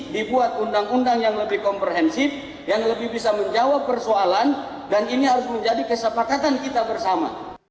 dibuat undang undang yang lebih komprehensif yang lebih bisa menjawab persoalan dan ini harus menjadi kesepakatan kita bersama